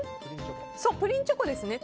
プリンチョコですね。